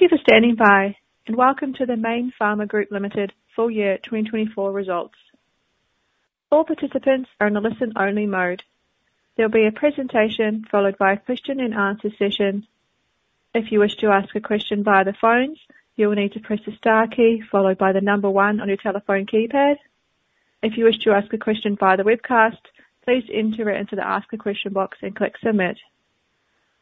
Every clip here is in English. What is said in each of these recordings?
Thank you for standing by, and welcome to the Mayne Pharma Group Limited full year 2024 results. All participants are in a listen-only mode. There will be a presentation followed by a question-and-answer session. If you wish to ask a question via the phones, you will need to press the star key followed by the number one on your telephone keypad. If you wish to ask a question via the webcast, please enter it into the Ask a Question box and click Submit.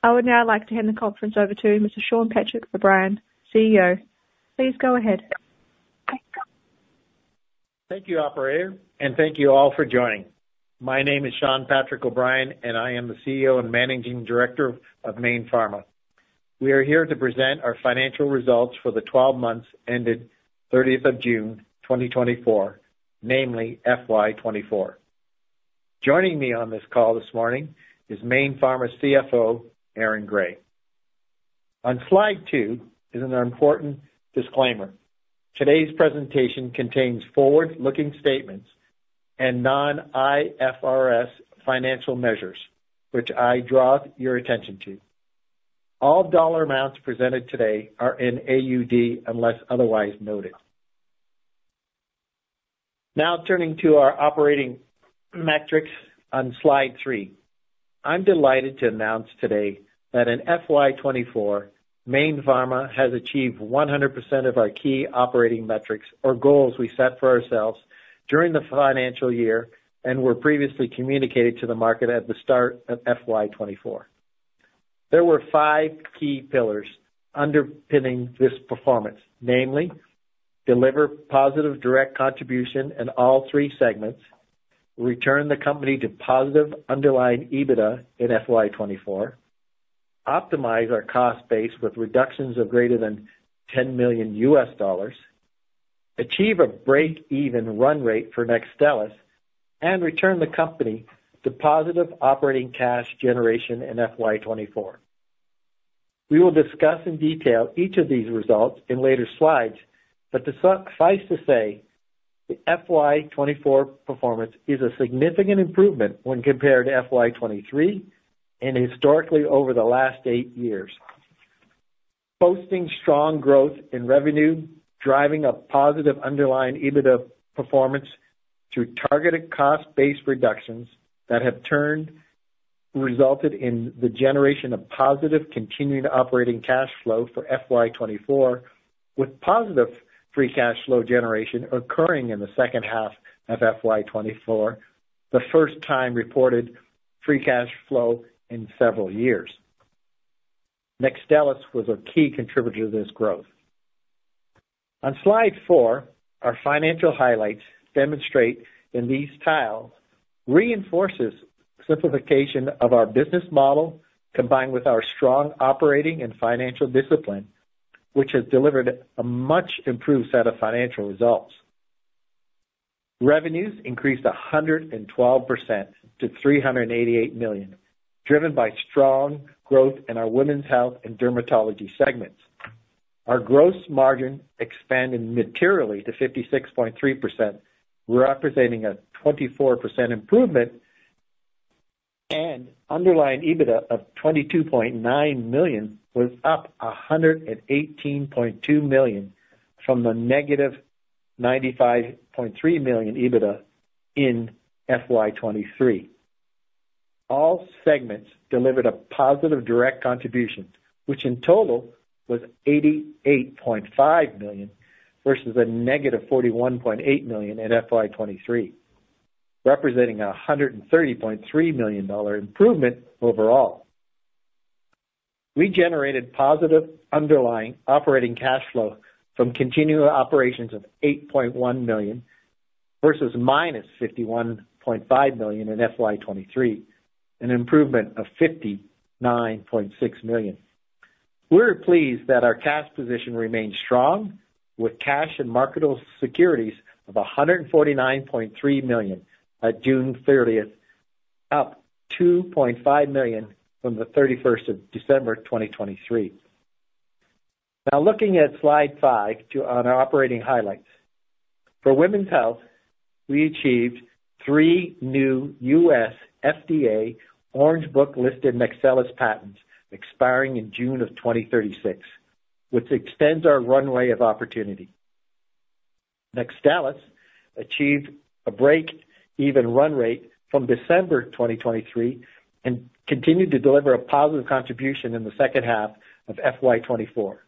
I would now like to hand the conference over to Mr. Shawn Patrick O'Brien, CEO. Please go ahead. Thank you, operator, and thank you all for joining. My name is Shawn Patrick O'Brien, and I am the CEO and Managing Director of Mayne Pharma. We are here to present our financial results for the twelve months ended thirtieth of June 2024, namely FY 2024. Joining me on this call this morning is Mayne Pharma's CFO, Aaron Gray. On Slide two is an important disclaimer. Today's presentation contains forward-looking statements and non-IFRS financial measures, which I draw your attention to. All dollar amounts presented today are in AUD, unless otherwise noted. Now turning to our operating metrics on Slide three. I'm delighted to announce today that in FY 2024, Mayne Pharma has achieved 100% of our key operating metrics or goals we set for ourselves during the financial year and were previously communicated to the market at the start of FY 2024. There were five key pillars underpinning this performance, namely, deliver positive direct contribution in all three segments, return the company to positive underlying EBITDA in FY 2024, optimize our cost base with reductions of greater than $10 million, achieve a break-even run rate for Nextstellis, and return the company to positive operating cash generation in FY 2024. We will discuss in detail each of these results in later slides, but to suffice to say, the FY 2024 performance is a significant improvement when compared to FY 2023 and historically over the last eight years. Posting strong growth in revenue, driving a positive underlying EBITDA performance through targeted cost-based reductions that have turned resulted in the generation of positive continuing operating cash flow for FY 2024, with positive free cash flow generation occurring in the second half of FY 2024, the first time reported free cash flow in several years. Nextstellis was a key contributor to this growth. On Slide four, our financial highlights demonstrate in these tiles, reinforces simplification of our business model, combined with our strong operating and financial discipline, which has delivered a much improved set of financial results. Revenues increased 112% to 388 million, driven by strong growth in our women's health and dermatology segments. Our gross margin expanded materially to 56.3%, representing a 24% improvement, and underlying EBITDA of AUD 22.9 million was up AUD 118.2 million from the negative AUD 95.3 million EBITDA in FY 2023. All segments delivered a positive direct contribution, which in total was $88.5 million versus a negative $41.8 million in FY 2023, representing a $130.3 million improvement overall. We generated positive underlying operating cash flow from continuing operations of $8.1 million versus minus $51.5 million in FY 2023, an improvement of $59.6 million. We're pleased that our cash position remains strong, with cash and marketable securities of $149.3 million at June 30, up $2.5 million from December 31, 2023. Now, looking at Slide five on our operating highlights. For women's health, we achieved three new U.S. FDA Orange Book-listed Nextstellis patents expiring in June of 2036, which extends our runway of opportunity. Nextstellis achieved a break-even run rate from December 2023 and continued to deliver a positive contribution in the second half of FY 2024.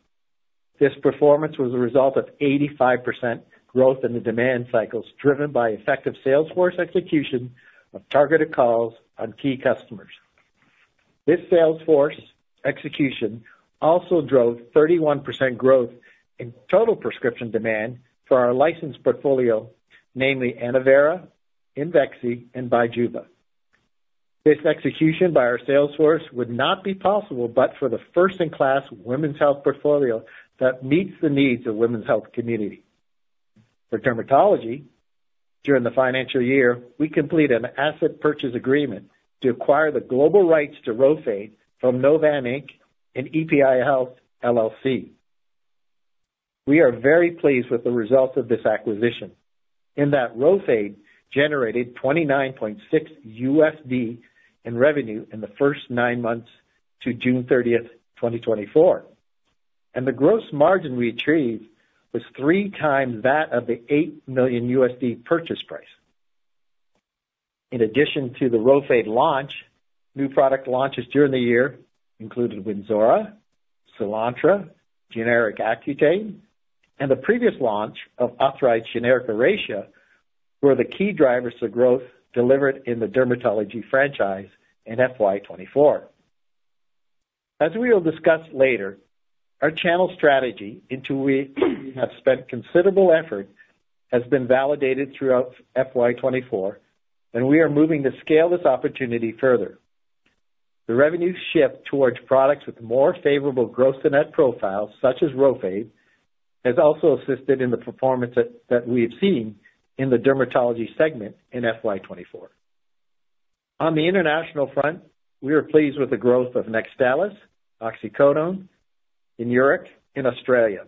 This performance was a result of 85% growth in the demand cycles, driven by effective salesforce execution of targeted calls on key customers. This sales force execution also drove 31% growth in total prescription demand for our licensed portfolio, namely Annovera, Imvexxy, and Bijuva. This execution by our sales force would not be possible, but for the first-in-class women's health portfolio that meets the needs of women's health community. For dermatology, during the financial year, we completed an asset purchase agreement to acquire the global rights to Rhofade from Novan, Inc. and EPI Health, LLC. We are very pleased with the results of this acquisition, in that Rhofade generated $29.6 million in revenue in the first nine months to June thirtieth, 2024. The gross margin we retrieved was three times that of the $8 million purchase price. In addition to the Rhofade launch, new product launches during the year included Wynzora, Soolantra, generic Accutane, and the previous launch of authorized generic Oracea, were the key drivers to growth delivered in the dermatology franchise in FY 2024. As we will discuss later, our channel strategy, into which we have spent considerable effort, has been validated throughout FY 2024, and we are moving to scale this opportunity further. The revenue shift towards products with more favorable gross to net profiles, such as Rhofade, has also assisted in the performance that we've seen in the dermatology segment in FY 2024. On the international front, we are pleased with the growth of Nextstellis, oxycodone, in Europe and Australia.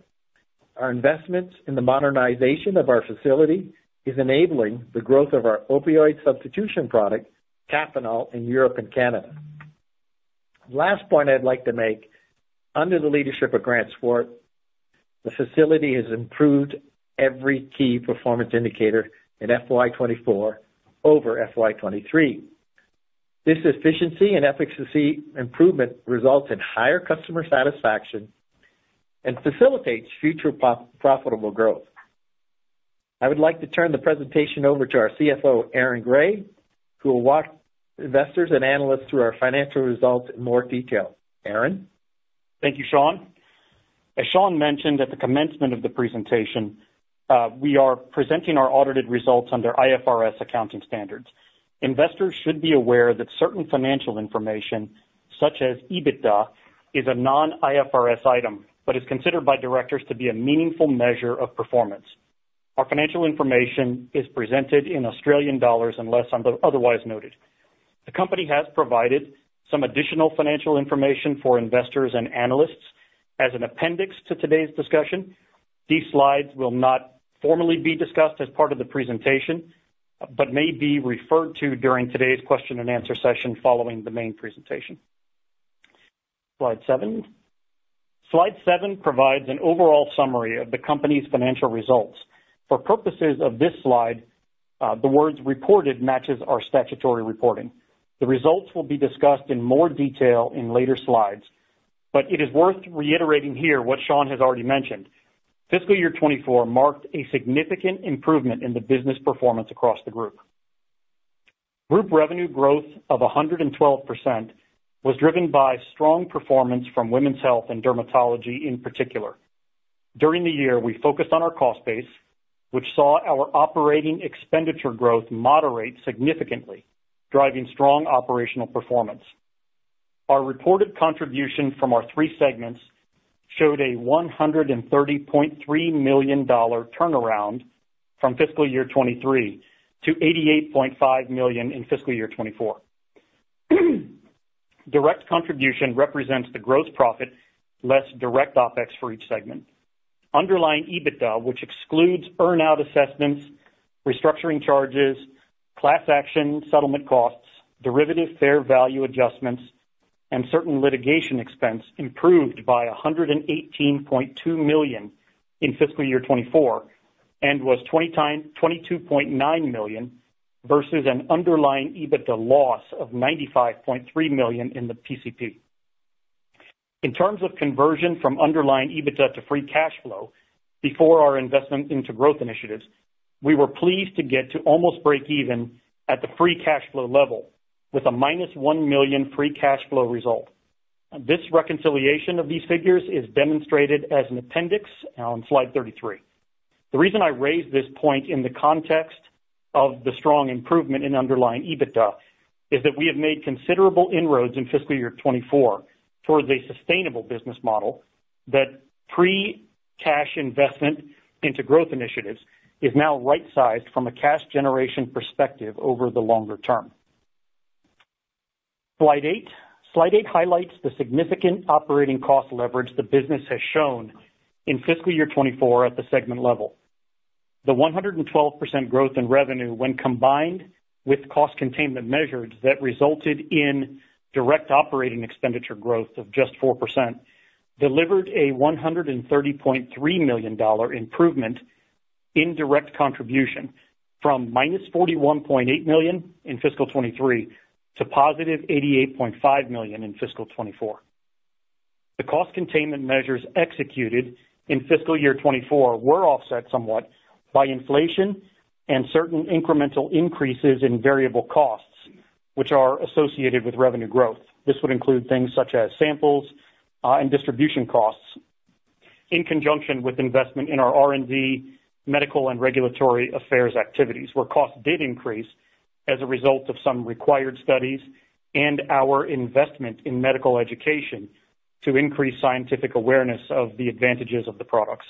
Our investments in the modernization of our facility is enabling the growth of our opioid substitution product, Kapanol, in Europe and Canada. Last point I'd like to make, under the leadership of Grant Swart, the facility has improved every key performance indicator in FY 2024 over FY 2023. This efficiency and efficacy improvement results in higher customer satisfaction and facilitates future profitable growth. I would like to turn the presentation over to our CFO, Aaron Gray, who will walk investors and analysts through our financial results in more detail. Aaron? Thank you, Shawn. As Shawn mentioned at the commencement of the presentation, we are presenting our audited results under IFRS accounting standards. Investors should be aware that certain financial information, such as EBITDA, is a non-IFRS item, but is considered by directors to be a meaningful measure of performance. Our financial information is presented in Australian dollars, unless otherwise noted. The company has provided some additional financial information for investors and analysts as an appendix to today's discussion. These slides will not formally be discussed as part of the presentation, but may be referred to during today's question and answer session following the main presentation. Slide seven. Slide seven provides an overall summary of the company's financial results. For purposes of this slide, the words reported matches our statutory reporting. The results will be discussed in more detail in later slides, but it is worth reiterating here what Shawn has already mentioned. Fiscal year 2024 marked a significant improvement in the business performance across the group. Group revenue growth of 112% was driven by strong performance from women's health and dermatology in particular. During the year, we focused on our cost base, which saw our operating expenditure growth moderate significantly, driving strong operational performance. Our reported contribution from our three segments showed a $130.3 million turnaround from fiscal year 2023 to $88.5 million in fiscal year 2024. Direct contribution represents the gross profit, less direct OpEx for each segment. Underlying EBITDA, which excludes earn-out assessments, restructuring charges, class action settlement costs, derivative fair value adjustments, and certain litigation expense, improved by 118.2 million in fiscal year 2024, and was 22.9 million versus an underlying EBITDA loss of 95.3 million in the PCP. In terms of conversion from underlying EBITDA to free cash flow, before our investment into growth initiatives, we were pleased to get to almost breakeven at the free cash flow level with a minus 1 million free cash flow result. This reconciliation of these figures is demonstrated as an appendix on slide 33. The reason I raised this point in the context of the strong improvement in underlying EBITDA is that we have made considerable inroads in fiscal year 2024 towards a sustainable business model that pre-cash investment into growth initiatives is now right-sized from a cash generation perspective over the longer term. Slide eight. Slide eight highlights the significant operating cost leverage the business has shown in fiscal year 2024 at the segment level. The 112% growth in revenue, when combined with cost containment measures that resulted in direct operating expenditure growth of just 4%, delivered a 130.3 million dollar improvement in direct contribution from −41.8 million in fiscal 2023 to 88.5 million in fiscal 2024. The cost containment measures executed in fiscal year 2024 were offset somewhat by inflation and certain incremental increases in variable costs, which are associated with revenue growth. This would include things such as samples, and distribution costs, in conjunction with investment in our R&D, medical and regulatory affairs activities, where costs did increase as a result of some required studies and our investment in medical education to increase scientific awareness of the advantages of the products.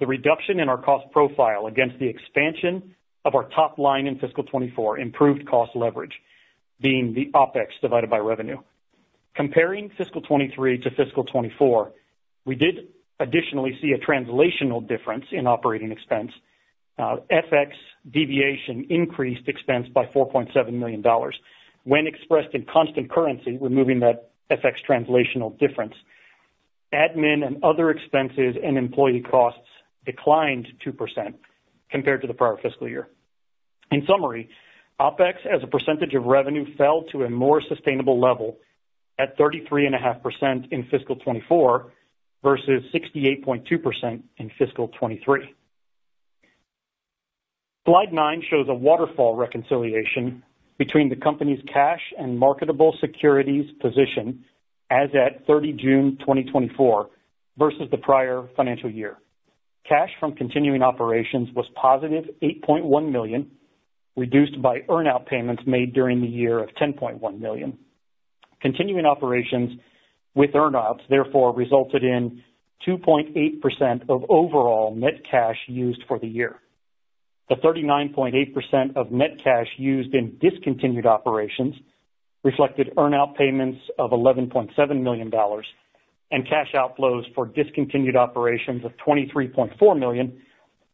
The reduction in our cost profile against the expansion of our top line in fiscal 2024 improved cost leverage, being the OpEx divided by revenue. Comparing fiscal 2023 to fiscal 2024, we did additionally see a translational difference in operating expense. FX deviation increased expense by $4.7 million. When expressed in constant currency, removing that FX translational difference, admin and other expenses and employee costs declined 2% compared to the prior fiscal year. In summary, OpEx, as a percentage of revenue, fell to a more sustainable level at 33.5% in fiscal 2024 versus 68.2% in fiscal 2023. Slide nine shows a waterfall reconciliation between the company's cash and marketable securities position as at 30 June 2024 versus the prior financial year. Cash from continuing operations was positive 8.1 million, reduced by earn out payments made during the year of 10.1 million. Continuing operations with earn outs, therefore, resulted in 2.8% of overall net cash used for the year. The 39.8% of net cash used in discontinued operations reflected earn out payments of $11.7 million and cash outflows for discontinued operations of $23.4 million,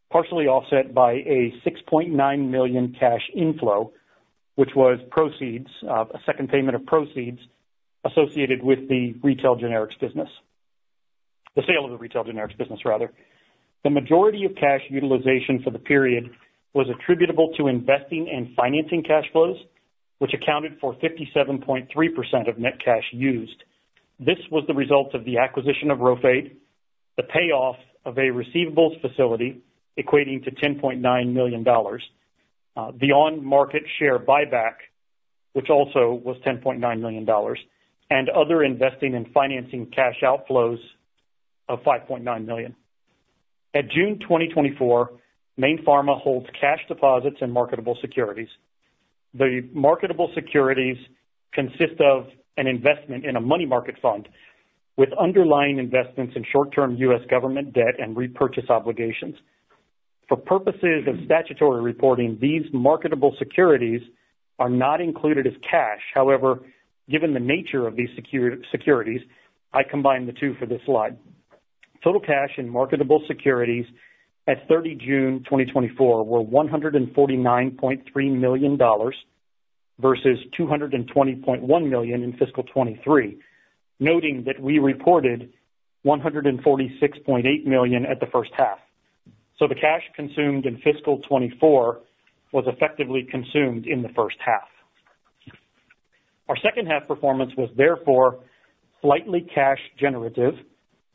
partially offset by a $6.9 million cash inflow, which was proceeds, a second payment of proceeds associated with the retail generics business. The sale of the retail generics business, rather. The majority of cash utilization for the period was attributable to investing and financing cash flows, which accounted for 57.3% of net cash used. This was the result of the acquisition of Rhofade, the payoff of a receivables facility equating to $10.9 million, the on-market share buyback, which also was $10.9 million, and other investing and financing cash outflows of $5.9 million. At June 2024, Mayne Pharma holds cash deposits and marketable securities. The marketable securities consist of an investment in a money market fund, with underlying investments in short-term U.S. government debt and repurchase obligations. For purposes of statutory reporting, these marketable securities are not included as cash. However, given the nature of these securities, I combine the two for this slide. Total cash and marketable securities at 30 June 2024 were $149.3 million versus $220.1 million in fiscal 2023, noting that we reported $146.8 million at the first half. So the cash consumed in fiscal 2024 was effectively consumed in the first half. Our second half performance was therefore slightly cash generative,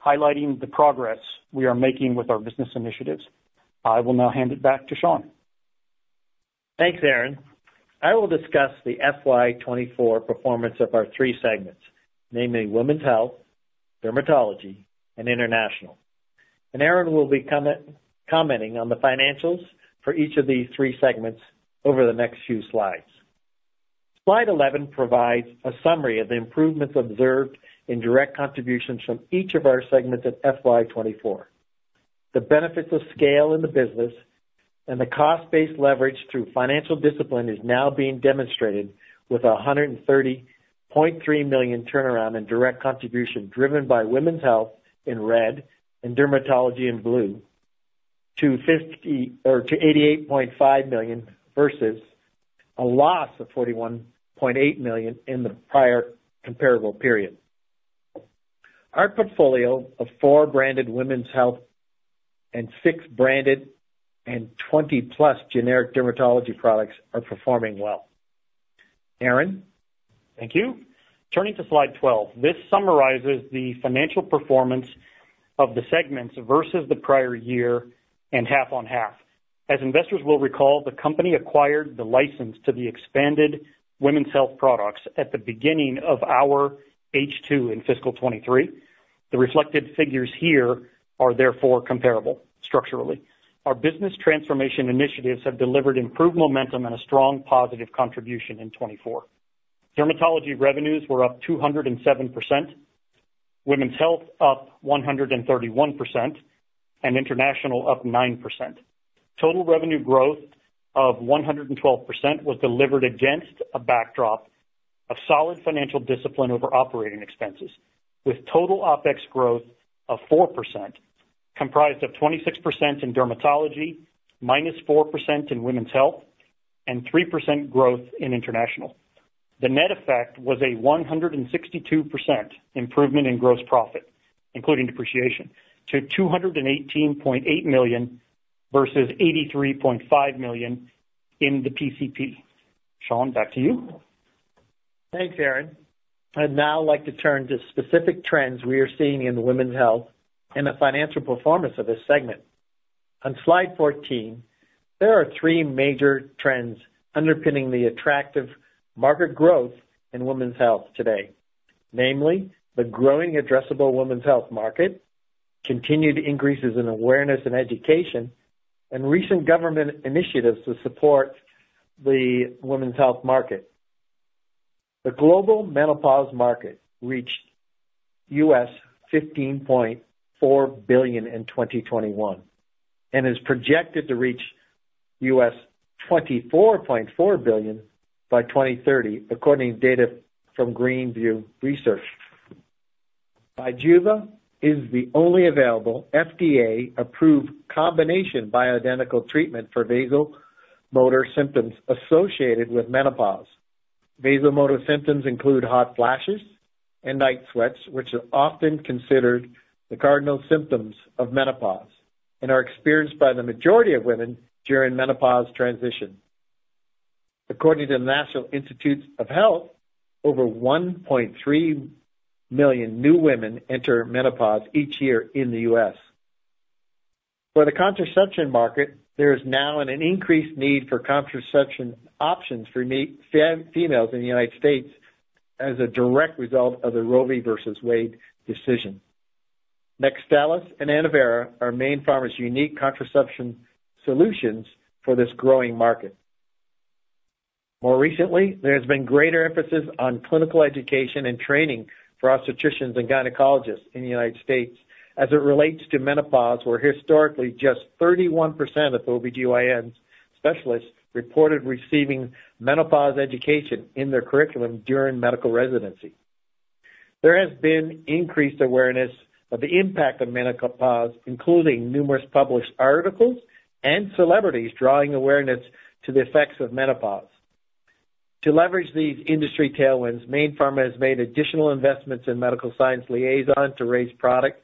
highlighting the progress we are making with our business initiatives. I will now hand it back to Shawn. Thanks, Aaron. I will discuss the FY 2024 performance of our three segments, namely Women's Health, Dermatology, and International. And Aaron will be commenting on the financials for each of these three segments over the next few slides. Slide 11 provides a summary of the improvements observed in direct contributions from each of our segments at FY 2024. The benefits of scale in the business and the cost-based leverage through financial discipline is now being demonstrated with a $130.3 million turnaround in direct contribution, driven by Women's Health in red and Dermatology in blue, to $88.5 million, versus a loss of $41.8 million in the prior comparable period. Our portfolio of four branded Women's Health and six branded and 20+ generic dermatology products are performing well. Aaron? Thank you. Turning to slide 12. This summarizes the financial performance of the segments versus the prior year and half on half. As investors will recall, the company acquired the license to the expanded women's health products at the beginning of our H2 in fiscal 2023. The reflected figures here are therefore comparable structurally. Our business transformation initiatives have delivered improved momentum and a strong positive contribution in 2024. Dermatology revenues were up 207%, Women's Health up 131%, and International up 9%. Total revenue growth of 112% was delivered against a backdrop of solid financial discipline over operating expenses, with total OpEx growth of 4%, comprised of 26% in Dermatology, minus 4% in Women's Health, and 3% growth in International. The net effect was a 162% improvement in gross profit, including depreciation, to 218.8 million versus 83.5 million in the PCP. Shawn, back to you. Thanks, Aaron. I'd now like to turn to specific trends we are seeing in the Women's Health and the financial performance of this segment. On slide 14, there are three major trends underpinning the attractive market growth in Women's Health today. Namely, the growing addressable women's health market, continued increases in awareness and education, and recent government initiatives to support the women's health market. The global menopause market reached $15.4 billion in 2021, and is projected to reach $24.4 billion by 2030, according to data from Grand View Research. Bijuva is the only available FDA-approved combination bioidentical treatment for vasomotor symptoms associated with menopause. Vasomotor symptoms include hot flashes and night sweats, which are often considered the cardinal symptoms of menopause and are experienced by the majority of women during menopause transition. According to the National Institutes of Health, over 1.3 million new women enter menopause each year in the U.S. For the contraception market, there is now an increased need for contraception options for females in the United States as a direct result of the Roe v. Wade decision. Nexstellis and Annovera are Mayne Pharma's unique contraception solutions for this growing market. More recently, there has been greater emphasis on clinical education and training for obstetricians and gynecologists in the United States as it relates to menopause, where historically, just 31% of OBGYN specialists reported receiving menopause education in their curriculum during medical residency. There has been increased awareness of the impact of menopause, including numerous published articles and celebrities drawing awareness to the effects of menopause. To leverage these industry tailwinds, Mayne Pharma has made additional investments in medical science liaison to raise product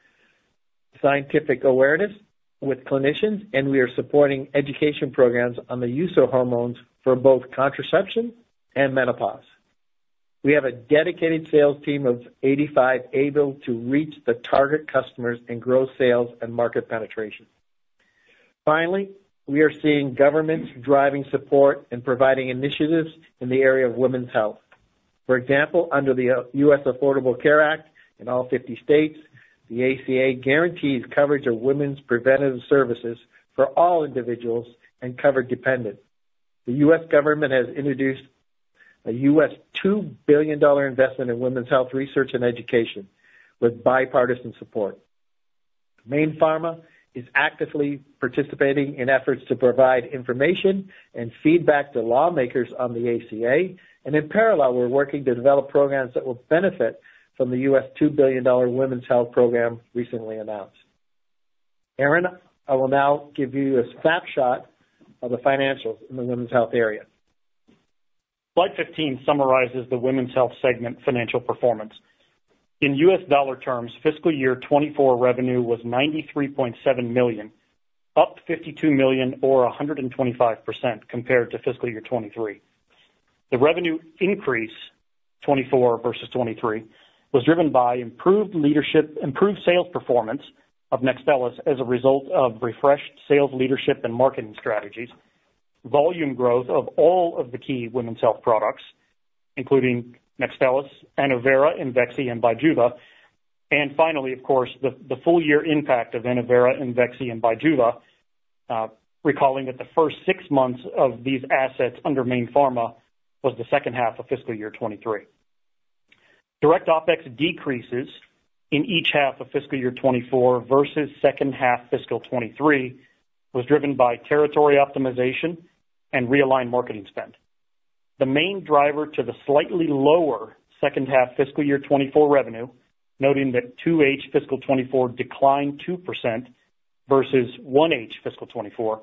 scientific awareness with clinicians, and we are supporting education programs on the use of hormones for both contraception and menopause. We have a dedicated sales team of 85 able to reach the target customers and grow sales and market penetration. Finally, we are seeing governments driving support and providing initiatives in the area of women's health. For example, under the Affordable Care Act in all 50 states, the ACA guarantees coverage of women's preventive services for all individuals and covered dependents. The US government has introduced a $2 billion investment in women's health research and education, with bipartisan support. Mayne Pharma is actively participating in efforts to provide information and feedback to lawmakers on the ACA, and in parallel, we're working to develop programs that will benefit from the US $2 billion women's health program recently announced. Aaron, I will now give you a snapshot of the financials in the women's health area. Slide 15 summarizes the women's health segment financial performance. In USD terms, fiscal year 2024 revenue was $93.7 million, up $52 million or 125% compared to fiscal year 2023. The revenue increase, 2024 versus 2023, was driven by improved leadership, improved sales performance of Nexstellis as a result of refreshed sales, leadership and marketing strategies, volume growth of all of the key women's health products, including Nexstellis, Annovera, Imvexxy, and Bijuva. And finally, of course, the full year impact of Annovera, Imvexxy, and Bijuva, recalling that the first six months of these assets under Mayne Pharma was the second half of fiscal year 2023. Direct OpEx decreases in each half of fiscal year 2024 versus second half fiscal 2023, was driven by territory optimization and realigned marketing spend. The main driver to the slightly lower second half fiscal year 2024 revenue, noting that 2H fiscal 2024 declined 2% versus 1H fiscal 2024,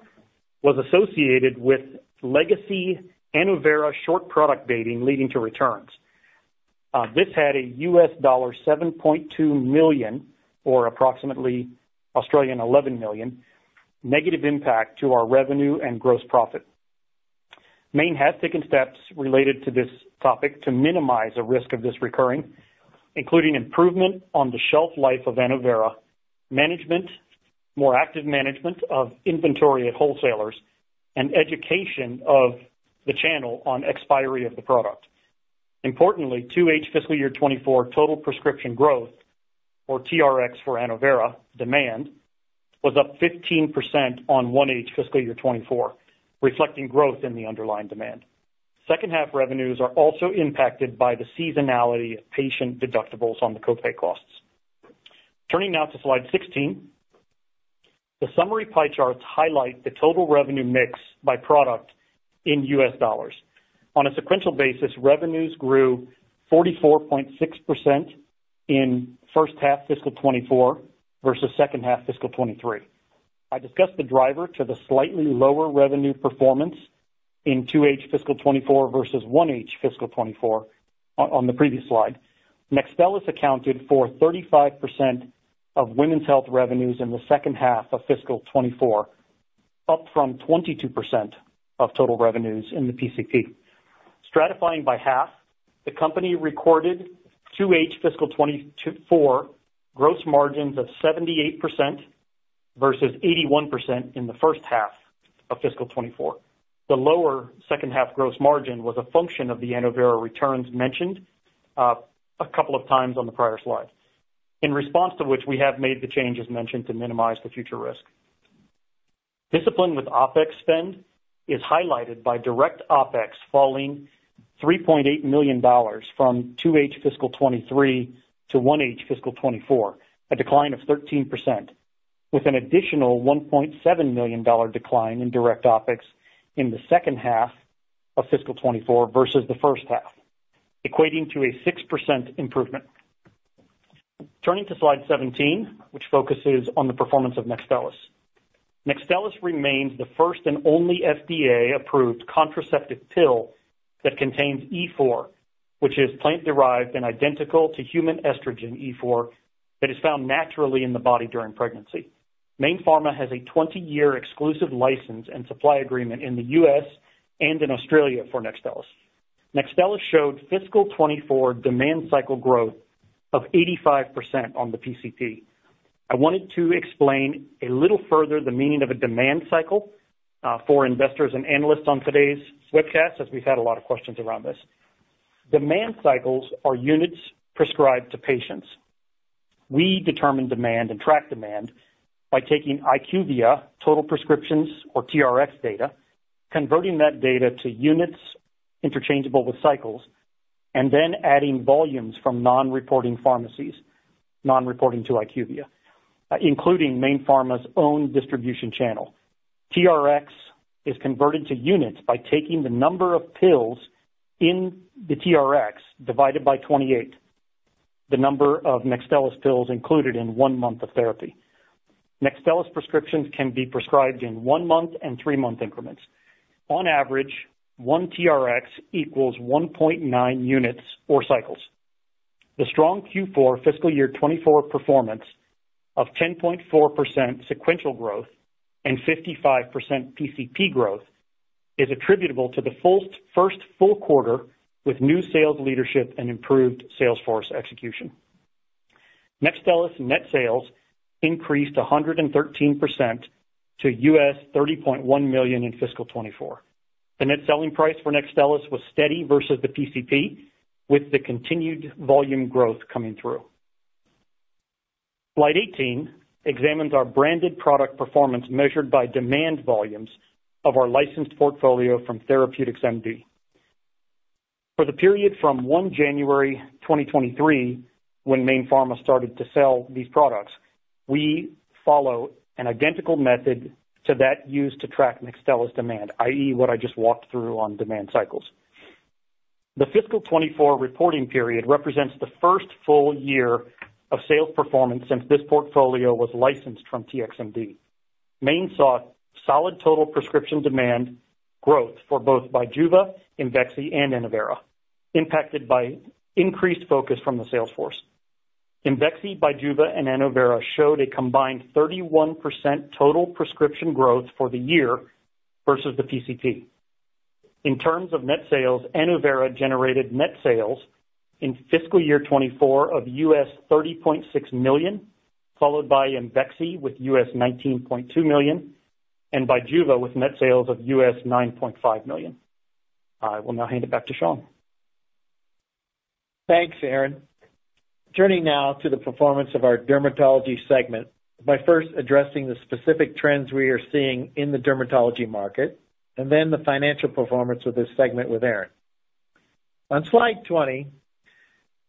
was associated with legacy Annovera short product dating, leading to returns. This had a $7.2 million, or approximately 11 million, negative impact to our revenue and gross profit. Mayne has taken steps related to this topic to minimize the risk of this recurring, including improvement on the shelf life of Annovera, management, more active management of inventory at wholesalers, and education of the channel on expiry of the product. Importantly, 2H fiscal year 2024 total prescription growth, or TRX for Annovera demand, was up 15% on 1H fiscal year 2024, reflecting growth in the underlying demand. Second half revenues are also impacted by the seasonality of patient deductibles on the co-pay costs. Turning now to slide 16. The summary pie charts highlight the total revenue mix by product in US dollars. On a sequential basis, revenues grew 44.6% in first half fiscal 2024 versus second half fiscal 2023. I discussed the driver to the slightly lower revenue performance in 2H fiscal 2024 versus 1H fiscal 2024 on the previous slide. Nexstellis accounted for 35% of women's health revenues in the second half of fiscal 2024, up from 22% of total revenues in the PCP. Stratifying by half, the company recorded 2H fiscal 2024 gross margins of 78% versus 81% in the first half of fiscal 2024. The lower second half gross margin was a function of the Annovera returns mentioned a couple of times on the prior slide. In response to which, we have made the changes mentioned to minimize the future risk. Discipline with OpEx spend is highlighted by direct OpEx falling $3.8 million from 2H fiscal 2023 to 1H fiscal 2024, a decline of 13%, with an additional $1.7 million decline in direct OpEx in the second half of fiscal 2024 versus the first half, equating to a 6% improvement. Turning to slide 17, which focuses on the performance of Nexstellis. Nexstellis remains the first and only FDA-approved contraceptive pill that contains E4, which is plant-derived and identical to human estrogen E4, that is found naturally in the body during pregnancy. Mayne Pharma has a 20 year exclusive license and supply agreement in the U.S. and in Australia for Nexstellis. Nexstellis showed fiscal 2024 demand cycle growth of 85% on the PCP. I wanted to explain a little further the meaning of a demand cycle, for investors and analysts on today's webcast, as we've had a lot of questions around this. Demand cycles are units prescribed to patients. We determine demand and track demand by taking IQVIA total prescriptions or TRX data, converting that data to units interchangeable with cycles, and then adding volumes from non-reporting pharmacies, non-reporting to IQVIA, including Mayne Pharma's own distribution channel. TRX is converted to units by taking the number of pills in the TRX divided by 28, the number of Nexstellis pills included in one month of therapy. Nexstellis prescriptions can be prescribed in one month and three-month increments. On average, one TRX equals one point nine units or cycles. The strong Q4 fiscal year 2024 performance of 10.4% sequential growth and 55% PCP growth is attributable to the first full quarter with new sales leadership and improved sales force execution. Nexstellis net sales increased 113% to $30.1 million in fiscal 2024. The net selling price for Nexstellis was steady versus the PCP, with the continued volume growth coming through. Slide 18 examines our branded product performance, measured by demand volumes of our licensed portfolio from TherapeuticsMD. For the period from 1 January 2023, when Mayne Pharma started to sell these products, we follow an identical method to that used to track Nexstellis demand, i.e., what I just walked through on demand cycles. The fiscal 2024 reporting period represents the first full year of sales performance since this portfolio was licensed from TXMD. Mayne saw solid total prescription demand growth for both Bijuva, Imvexxy, and Annovera, impacted by increased focus from the sales force. Imvexxy, Bijuva, and Annovera showed a combined 31% total prescription growth for the year versus the PCP. In terms of net sales, Annovera generated net sales in fiscal year 2024 of $30.6 million, followed by Imvexxy with $19.2 million, and Bijuva with net sales of $9.5 million. I will now hand it back to Shawn. Thanks, Aaron. Turning now to the performance of our dermatology segment by first addressing the specific trends we are seeing in the dermatology market and then the financial performance of this segment with Aaron. On slide 20,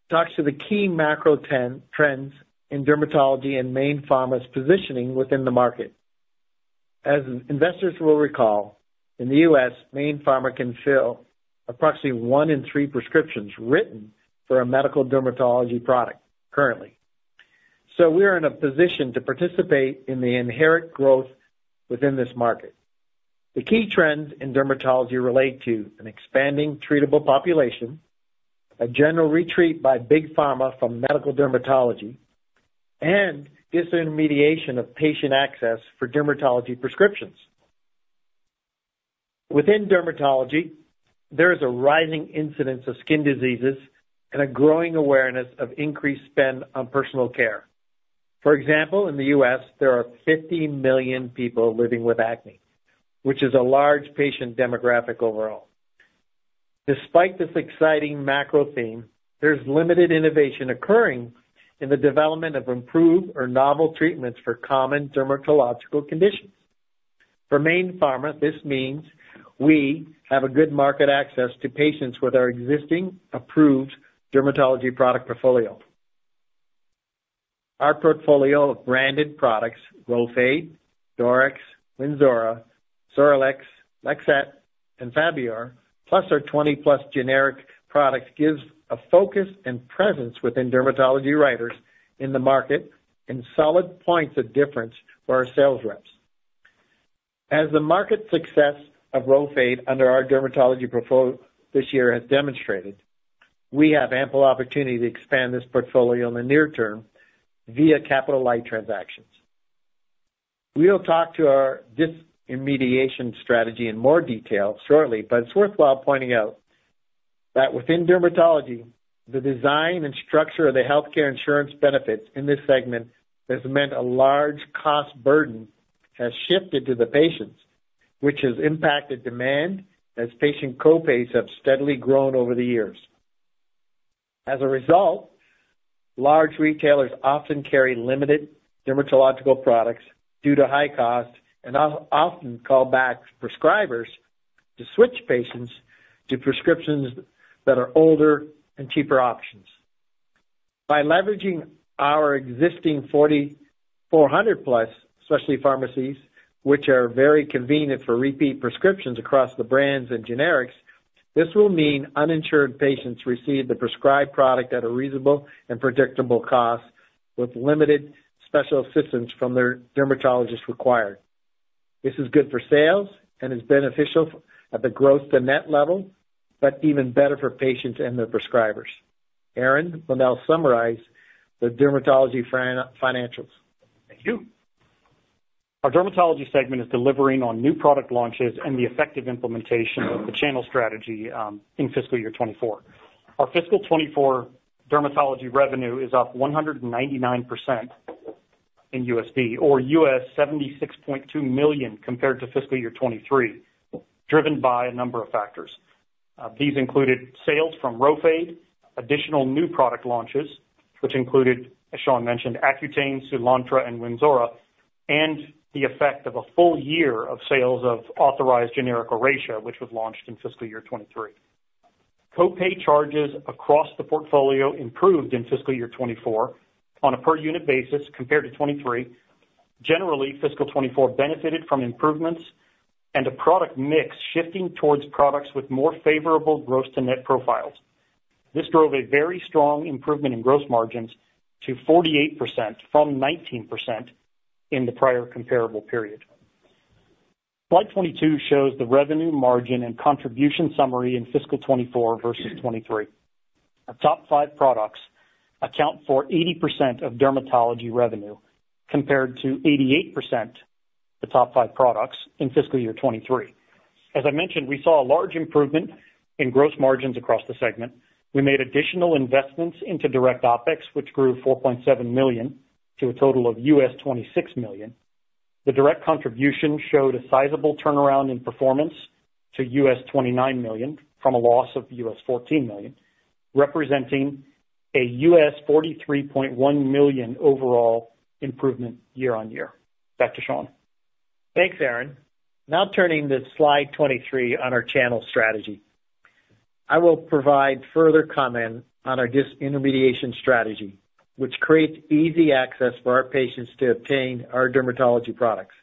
talks to the key macro trends in dermatology and Mayne Pharma's positioning within the market. As investors will recall, in the U.S., Mayne Pharma can fill approximately one in three prescriptions written for a medical dermatology product currently. So we are in a position to participate in the inherent growth within this market. The key trends in dermatology relate to an expanding treatable population, a general retreat by big pharma from medical dermatology, and disintermediation of patient access for dermatology prescriptions. Within dermatology, there is a rising incidence of skin diseases and a growing awareness of increased spend on personal care. For example, in the U.S., there are 50 million people living with acne, which is a large patient demographic overall. Despite this exciting macro theme, there's limited innovation occurring in the development of improved or novel treatments for common dermatological conditions. For Mayne Pharma, this means we have a good market access to patients with our existing approved dermatology product portfolio. Our portfolio of branded products, Rhofade, Doryx, Wynzora, Sorilux, Lexette, and Fabior, plus our 20-plus generic products, gives a focus and presence within dermatology writers in the market and solid points of difference for our sales reps. As the market success of Rhofade under our dermatology portfolio this year has demonstrated, we have ample opportunity to expand this portfolio in the near term via capital-light transactions. We will talk to our disintermediation strategy in more detail shortly, but it's worthwhile pointing out that within dermatology, the design and structure of the healthcare insurance benefits in this segment has meant a large cost burden has shifted to the patients, which has impacted demand as patient co-pays have steadily grown over the years. As a result, large retailers often carry limited dermatological products due to high cost and often call back prescribers to switch patients to prescriptions that are older and cheaper options. By leveraging our existing 4,400 plus specialty pharmacies, which are very convenient for repeat prescriptions across the brands and generics, this will mean uninsured patients receive the prescribed product at a reasonable and predictable cost, with limited special assistance from their dermatologist required. This is good for sales and is beneficial at the gross to net level, but even better for patients and their prescribers. Aaron will now summarize the dermatology financials. Thank you. Our dermatology segment is delivering on new product launches and the effective implementation of the channel strategy in fiscal year 2024. Our fiscal 2024 dermatology revenue is up 199% in USD or $76.2 million compared to fiscal year 2023, driven by a number of factors. These included sales from Rhofade, additional new product launches, which included, as Shawn mentioned, Accutane, Soolantra, and Wynzora, and the effect of a full year of sales of authorized generic Oracea, which was launched in fiscal year 2023. Copay charges across the portfolio improved in fiscal year 2024 on a per unit basis compared to 2023. Generally, fiscal 2024 benefited from improvements and a product mix shifting towards products with more favorable gross to net profiles. This drove a very strong improvement in gross margins to 48% from 19% in the prior comparable period. Slide 22 shows the revenue margin and contribution summary in fiscal 2024 versus 2023. Our top five products account for 80% of dermatology revenue, compared to 88%, the top five products in fiscal year 2023. As I mentioned, we saw a large improvement in gross margins across the segment. We made additional investments into direct OpEx, which grew $4.7 million to a total of $26 million. The direct contribution showed a sizable turnaround in performance to $29 million from a loss of $14 million, representing a $43.1 million overall improvement year on year. Back to Shawn. Thanks, Aaron. Now turning to slide 23 on our channel strategy. I will provide further comment on our disintermediation strategy, which creates easy access for our patients to obtain our dermatology products.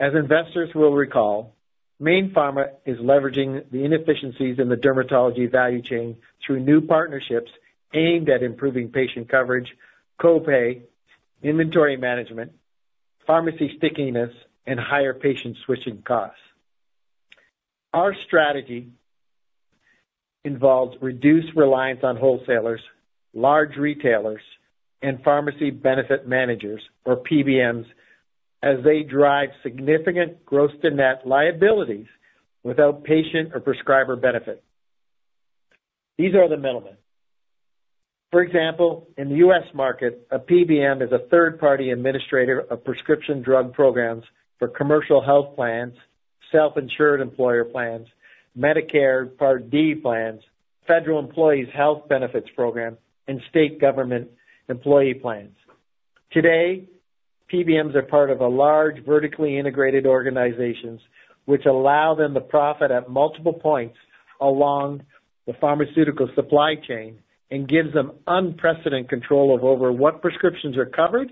As investors will recall, Mayne Pharma is leveraging the inefficiencies in the dermatology value chain through new partnerships aimed at improving patient coverage, copay, inventory management, pharmacy stickiness, and higher patient switching costs. Our strategy involves reduced reliance on wholesalers, large retailers, and pharmacy benefit managers or PBMs, as they drive significant gross to net liabilities without patient or prescriber benefit. These are the middlemen. For example, in the U.S. market, a PBM is a third-party administrator of prescription drug programs for commercial health plans, self-insured employer plans, Medicare Part D plans, Federal Employees' Health Benefits program, and state government employee plans. Today, PBMs are part of a large, vertically integrated organizations, which allow them to profit at multiple points along the pharmaceutical supply chain and gives them unprecedented control over what prescriptions are covered,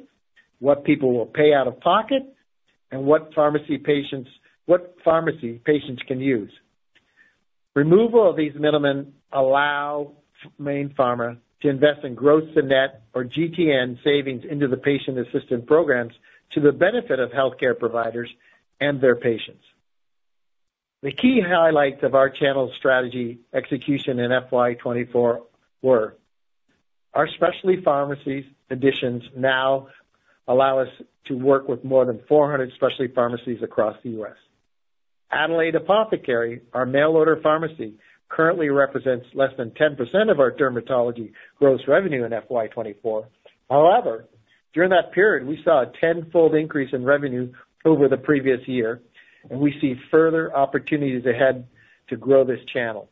what people will pay out of pocket, and what pharmacy patients can use. Removal of these middlemen allow Mayne Pharma to invest in gross to net or GTN savings into the patient assistance programs to the benefit of healthcare providers and their patients. The key highlights of our channel strategy execution in FY 2024 were: our specialty pharmacies additions now allow us to work with more than 400 specialty pharmacies across the US. Adelaide Apothecary, our mail-order pharmacy, currently represents less than 10% of our dermatology gross revenue in FY 2024. However, during that period, we saw a tenfold increase in revenue over the previous year, and we see further opportunities ahead to grow this channel.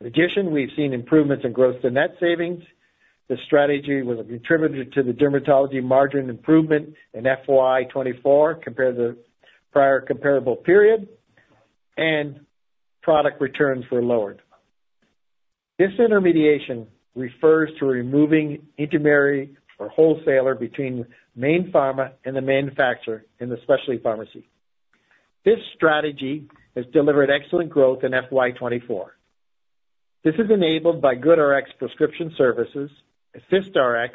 In addition, we've seen improvements in gross to net savings. This strategy was a contributor to the dermatology margin improvement in FY 2024 compared to the prior comparable period, and product returns were lowered. This disintermediation refers to removing intermediary or wholesaler between Mayne Pharma and the manufacturer in the specialty pharmacy. This strategy has delivered excellent growth in FY 2024. This is enabled by GoodRx Prescription Services, AssistRx,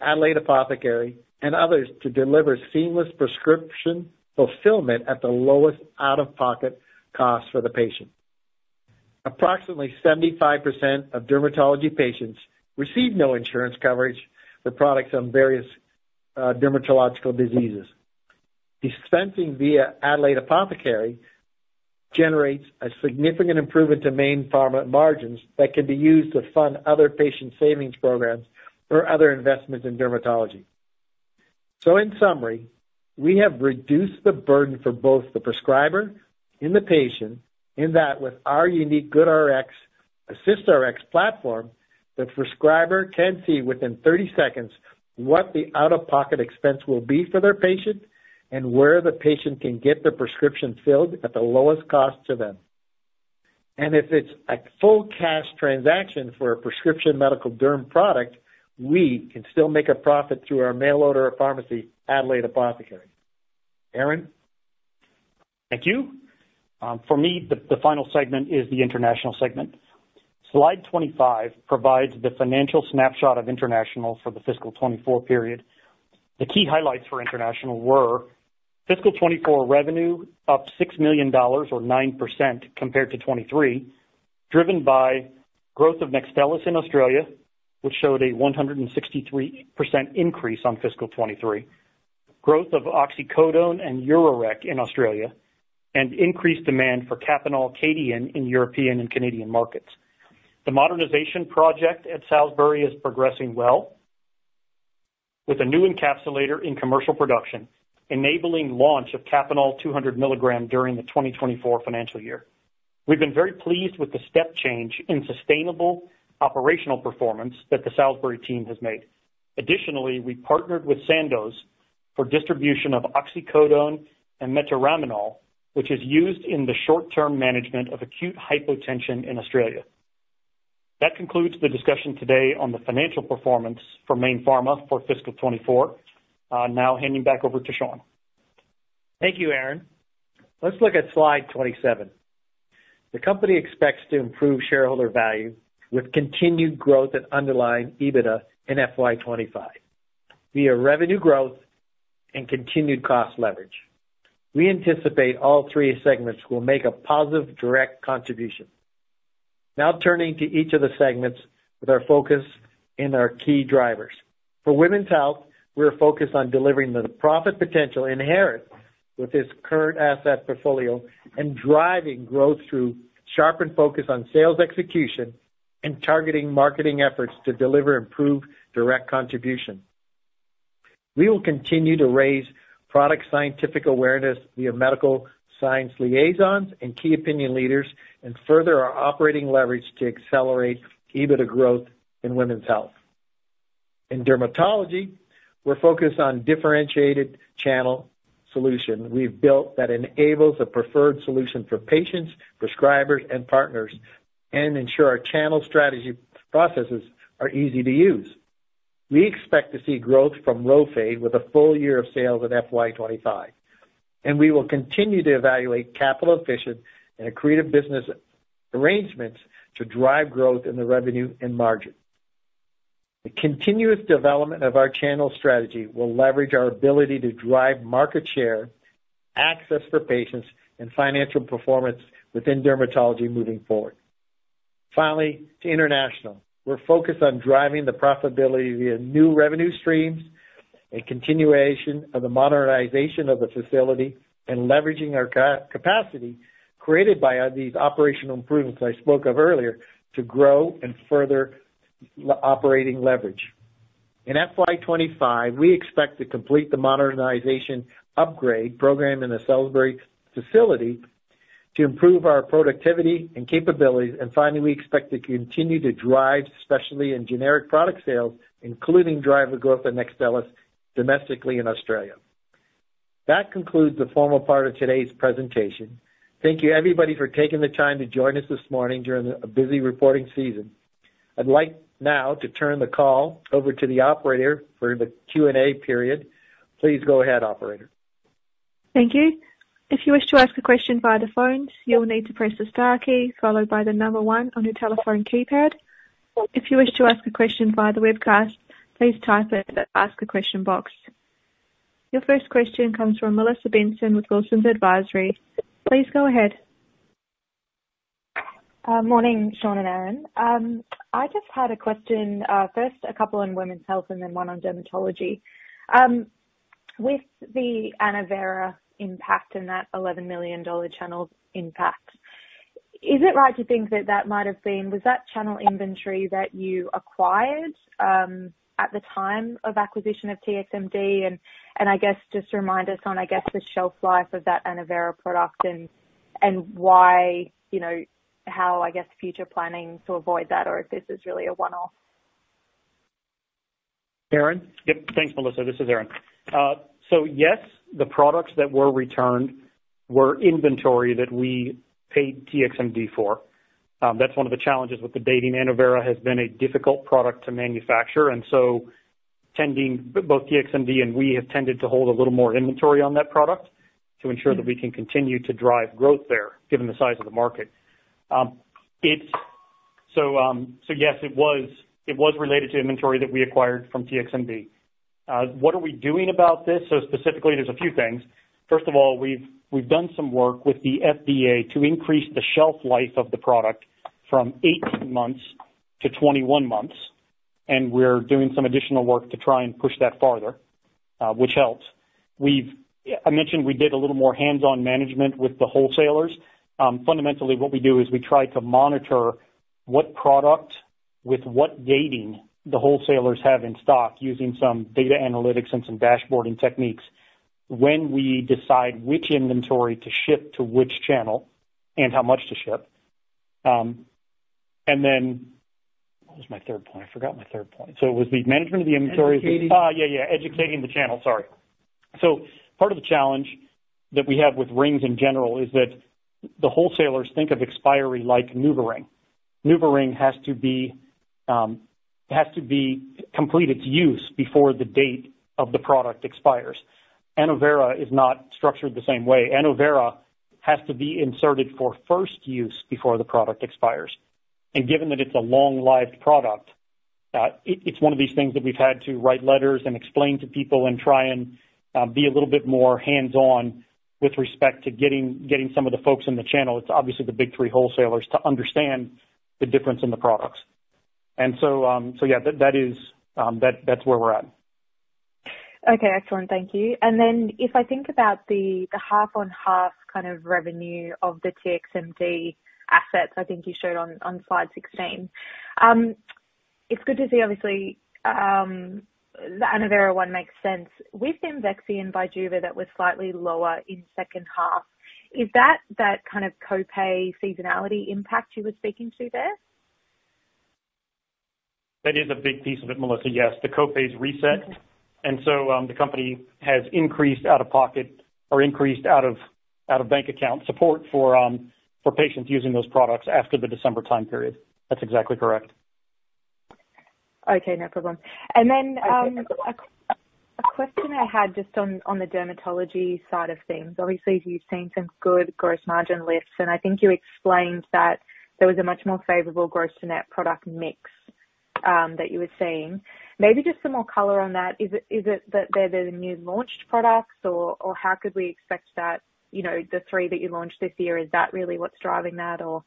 Adelaide Apothecary, and others to deliver seamless prescription fulfillment at the lowest out-of-pocket cost for the patient. Approximately 75% of dermatology patients receive no insurance coverage for products on various dermatological diseases. Dispensing via Adelaide Apothecary generates a significant improvement to Mayne Pharma margins that can be used to fund other patient savings programs or other investments in dermatology. So in summary, we have reduced the burden for both the prescriber and the patient, in that with our unique GoodRx, AssistRx platform, the prescriber can see within thirty seconds what the out-of-pocket expense will be for their patient and where the patient can get the prescription filled at the lowest cost to them. And if it's a full cash transaction for a prescription medical derm product, we can still make a profit through our mail order pharmacy, Adelaide Apothecary. Aaron? Thank you. For me, the final segment is the international segment. Slide 25 provides the financial snapshot of international for the fiscal 2024 period. The key highlights for international were: fiscal 2024 revenue up $6 million or 9% compared to 2023, driven by growth of Nexstellis in Australia, which showed a 163% increase on fiscal 2023. Growth of oxycodone and Kapanol in Australia, and increased demand for Kapanol and Kadian in European and Canadian markets. The modernization project at Salisbury is progressing well, with a new encapsulator in commercial production, enabling launch of Kapanol 200 milligram during the 2024 financial year. We've been very pleased with the step change in sustainable operational performance that the Salisbury team has made. Additionally, we partnered with Sandoz for distribution of oxycodone and metaraminol, which is used in the short-term management of acute hypotension in Australia. That concludes the discussion today on the financial performance for Mayne Pharma for fiscal 2024. Now handing back over to Shawn. Thank you, Aaron. Let's look at slide 27. The company expects to improve shareholder value with continued growth at underlying EBITDA in FY 25, via revenue growth and continued cost leverage. We anticipate all three segments will make a positive direct contribution. Now, turning to each of the segments with our focus and our key drivers. For women's health, we're focused on delivering the profit potential inherent with this current asset portfolio and driving growth through sharpened focus on sales execution and targeting marketing efforts to deliver improved direct contribution. We will continue to raise product scientific awareness via medical science liaisons and key opinion leaders, and further our operating leverage to accelerate EBITDA growth in women's health. In dermatology, we're focused on differentiated channel solution we've built that enables a preferred solution for patients, prescribers, and partners and ensure our channel strategy processes are easy to use. We expect to see growth from Rhofade with a full year of sales in FY 2025, and we will continue to evaluate capital efficient and creative business arrangements to drive growth in the revenue and margin. The continuous development of our channel strategy will leverage our ability to drive market share, access for patients and financial performance within dermatology moving forward. Finally, to international. We're focused on driving the profitability via new revenue streams and continuation of the modernization of the facility and leveraging our capacity created by these operational improvements I spoke of earlier, to grow and further operating leverage. In FY 2025, we expect to complete the modernization upgrade program in the Salisbury facility to improve our productivity and capabilities. Finally, we expect to continue to drive, especially in generic product sales, including driving growth in Nexstellis, domestically in Australia. That concludes the formal part of today's presentation. Thank you, everybody, for taking the time to join us this morning during a busy reporting season. I'd like now to turn the call over to the operator for the Q&A period. Please go ahead, operator. Thank you. If you wish to ask a question via the phones, you'll need to press the star key followed by the number one on your telephone keypad. If you wish to ask a question via the webcast, please type it in the Ask a Question box. Your first question comes from Melissa Benson with Wilsons Advisory. Please go ahead. Morning, Shawn and Aaron. I just had a question. First, a couple on women's health and then one on dermatology. With the Annovera impact and that $11 million channel impact, is it right to think that that might have been. Was that channel inventory that you acquired at the time of acquisition of TXMD? And I guess just remind us on, I guess, the shelf life of that Annovera product and why, you know, how, I guess, future planning to avoid that or if this is really a one-off. Aaron? Yep. Thanks, Melissa. This is Aaron. Yes, the products that were returned were inventory that we paid TXMD for. That's one of the challenges with the dating. Annovera has been a difficult product to manufacture, and so both TXMD and we have tended to hold a little more inventory on that product to ensure that we can continue to drive growth there, given the size of the market. It's so yes, it was related to inventory that we acquired from TXMD. What are we doing about this? Specifically, there's a few things. First of all, we've done some work with the FDA to increase the shelf life of the product from 18 months to 21 months, and we're doing some additional work to try and push that farther, which helps. We've, I mentioned we did a little more hands-on management with the wholesalers. Fundamentally, what we do is we try to monitor with what dating the wholesalers have in stock, using some data analytics and some dashboarding techniques, when we decide which inventory to ship to which channel and how much to ship. And then, what was my third point? I forgot my third point. So it was the management of the inventory. Educating. Educating the channel. Sorry. So part of the challenge that we have with rings in general is that the wholesalers think of expiry like NuvaRing. NuvaRing has to be completed to use before the date of the product expires. Annovera is not structured the same way. Annovera has to be inserted for first use before the product expires. And given that it's a long-lived product, it's one of these things that we've had to write letters and explain to people and try and be a little bit more hands-on with respect to getting some of the folks in the channel. It's obviously the big three wholesalers to understand the difference in the products. And so, yeah, that is, that's where we're at. Okay, excellent. Thank you. And then if I think about the half-on-half kind of revenue of the TxMD assets, I think you showed on slide 16. It's good to see obviously, the Annovera one makes sense. With Imvexxy and Bijuva, that was slightly lower in second half, is that kind of co-pay seasonality impact you were speaking to there? That is a big piece of it, Melissa, yes. The co-pays reset. The company has increased out-of-pocket or increased out of bank account support for patients using those products after the December time period. That's exactly correct. Okay, no problem. And then, a question I had just on the dermatology side of things. Obviously, you've seen some good gross margin lifts, and I think you explained that there was a much more favorable gross to net product mix that you were seeing. Maybe just some more color on that. Is it that they're the new launched products, or how could we expect that, you know, the three that you launched this year, is that really what's driving that, or?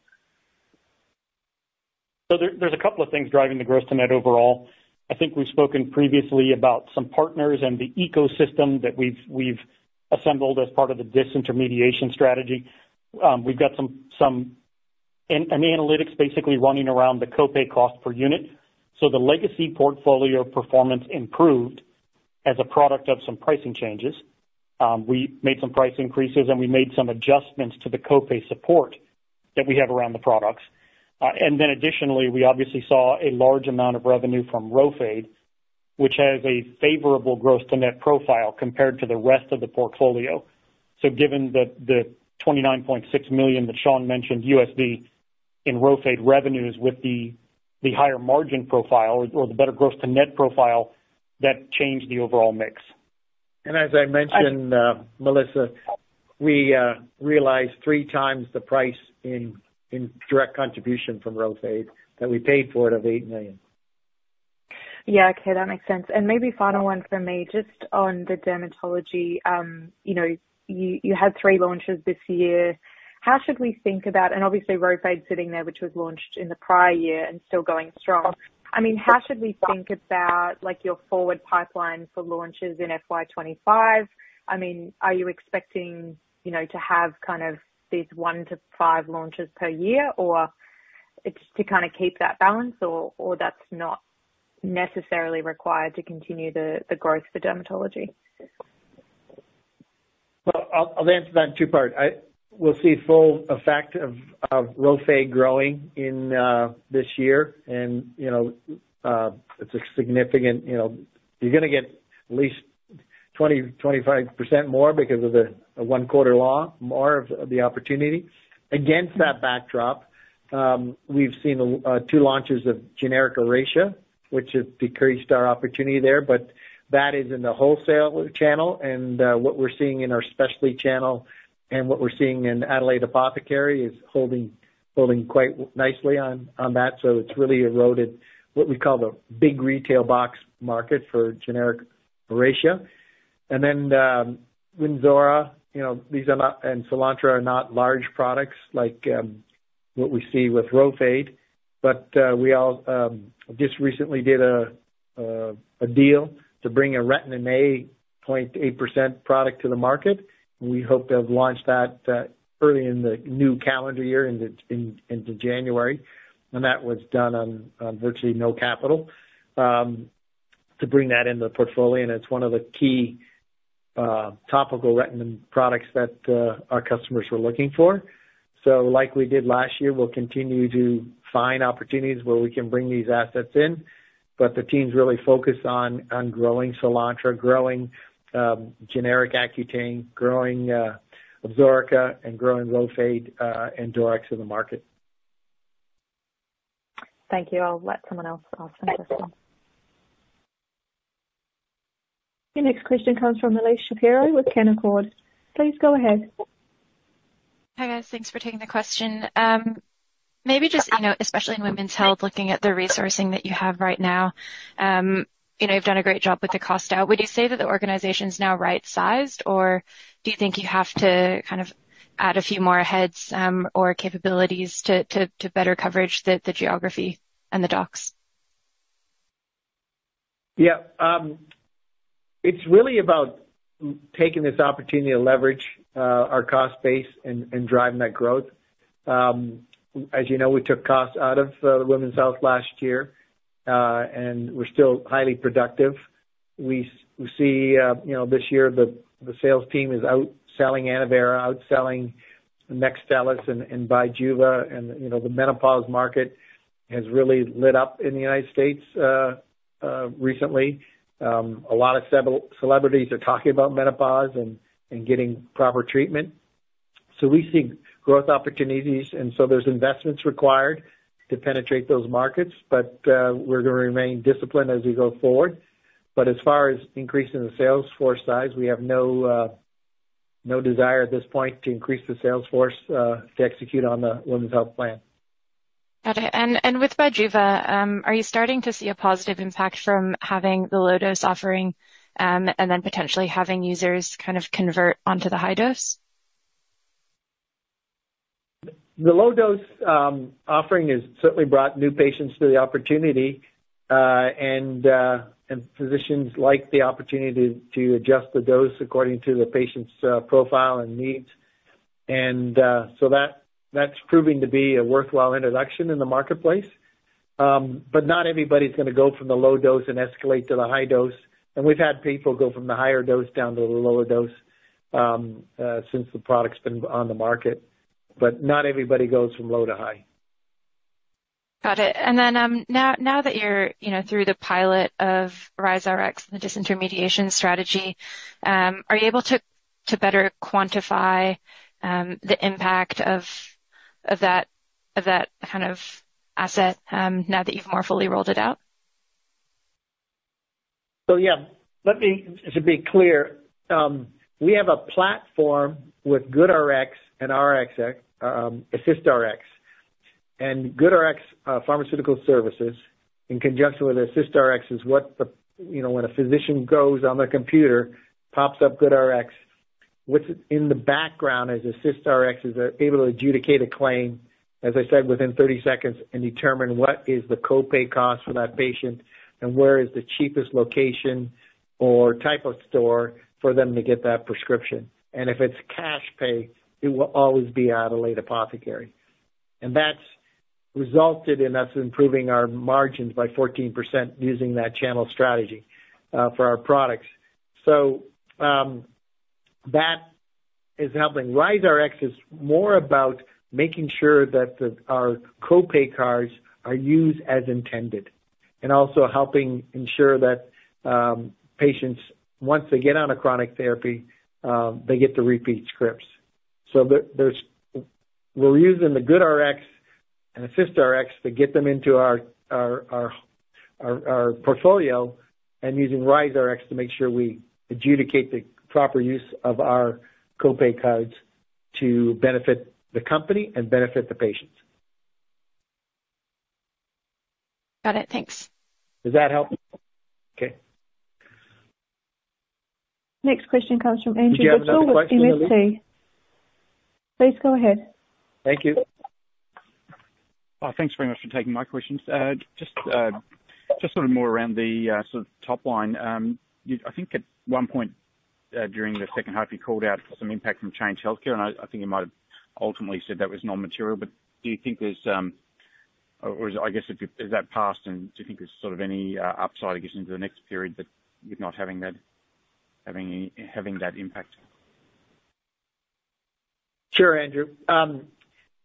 There, there's a couple of things driving the gross to net overall. I think we've spoken previously about some partners and the ecosystem that we've assembled as part of the disintermediation strategy. We've got some analytics basically running around the co-pay cost per unit. The legacy portfolio performance improved as a product of some pricing changes. We made some price increases, and we made some adjustments to the co-pay support that we have around the products. And then additionally, we obviously saw a large amount of revenue from Rhofade, which has a favorable gross to net profile compared to the rest of the portfolio. Given that the $29.6 million that Shawn mentioned in Rhofade revenues with the higher margin profile or the better gross to net profile, that changed the overall mix. As I mentioned, Melissa, we realized three times the price in direct contribution from Rhofade that we paid for it, of $8 million. Yeah, okay, that makes sense. And maybe final one for me, just on the dermatology. You know, you had three launches this year. How should we think about. And obviously, Rhofade sitting there, which was launched in the prior year and still going strong. I mean, how should we think about, like, your forward pipeline for launches in FY 2025? I mean, are you expecting, you know, to have kind of these one to five launches per year, or it's to kind of keep that balance, or, or that's not necessarily required to continue the, the growth for dermatology? I'll answer that in two parts. We'll see full effect of Rhofade growing in this year. And, you know, it's a significant, you know. You're gonna get at least 20%-25% more because of the one-quarter law, more of the opportunity. Against that backdrop, we've seen two launches of generic Oracea, which has decreased our opportunity there, but that is in the wholesale channel. And, what we're seeing in our specialty channel and what we're seeing in Adelaide Apothecary is holding quite nicely on that. So it's really eroded what we call the big retail box market for generic Oracea. And then, Wynzora, you know, these are not- and Soolantra are not large products like, what we see with Rhofade. But we all just recently did a deal to bring a Retin-A 0.8% product to the market. We hope to have launched that early in the new calendar year, into January. And that was done on virtually no capital to bring that into the portfolio, and it's one of the key topical Retin products that our customers were looking for. So like we did last year, we'll continue to find opportunities where we can bring these assets in, but the team's really focused on growing Soolantra, growing generic Accutane, growing Oracea, and growing Rhofade and Doryx in the market. Thank you. I'll let someone else ask this one. Your next question comes from Elyse Shapiro with Canaccord. Please go ahead. Hi, guys. Thanks for taking the question. Maybe just, you know, especially in women's health, looking at the resourcing that you have right now, you know, you've done a great job with the cost out. Would you say that the organization's now right-sized, or do you think you have to kind of add a few more heads, or capabilities to better cover the geography and the docs? Yeah, it's really about taking this opportunity to leverage our cost base and driving that growth. As you know, we took costs out of the women's health last year, and we're still highly productive. We see, you know, this year, the sales team is out selling Annovera, out selling Nexstellis and Bijuva. And, you know, the menopause market has really lit up in the United States recently. A lot of celebrities are talking about menopause and getting proper treatment. So we see growth opportunities, and so there's investments required to penetrate those markets, but we're gonna remain disciplined as we go forward. But as far as increasing the sales force size, we have no desire at this point to increase the sales force to execute on the women's health plan. Got it. And with Bijuva, are you starting to see a positive impact from having the low-dose offering, and then potentially having users kind of convert onto the high dose? The low dose offering has certainly brought new patients to the opportunity, and physicians like the opportunity to adjust the dose according to the patient's profile and needs. That's proving to be a worthwhile introduction in the marketplace. Not everybody's gonna go from the low dose and escalate to the high dose, and we've had people go from the higher dose down to the lower dose since the product's been on the market, but not everybody goes from low to high. Got it. And then, now that you're, you know, through the pilot of RiseRx and the disintermediation strategy, are you able to better quantify the impact of that kind of asset, now that you've more fully rolled it out? So, yeah, let me to be clear, we have a platform with GoodRx and AssistRx. And GoodRx Pharmaceutical Services, in conjunction with AssistRx, is what the, you know, when a physician goes on the computer, pops up GoodRx, what's in the background as AssistRx, is they're able to adjudicate a claim, as I said, within thirty seconds, and determine what is the copay cost for that patient and where is the cheapest location or type of store for them to get that prescription. And if it's cash pay, it will always be out of Adelaide Apothecary. And that's resulted in us improving our margins by 14% using that channel strategy, for our products. So, that is helping. RiseRx is more about making sure that our copay cards are used as intended, and also helping ensure that patients, once they get on a chronic therapy, they get the repeat scripts. So we're using the GoodRx and AssistRx to get them into our portfolio, and using RiseRx to make sure we adjudicate the proper use of our copay cards to benefit the company and benefit the patients. Got it. Thanks. Does that help? Okay. Next question comes from Andrew Do you have another question, Elyse? Please go ahead. Thank you. Thanks very much for taking my questions. Just sort of more around the sort of top line. You, I think at one point during the second half, you called out for some impact from Change Healthcare, and I think you might have ultimately said that was non-material, but do you think there's, or I guess has that passed, and do you think there's sort of any upside, I guess, into the next period that you're not having that impact? Sure, Andrew.